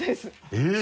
えっ！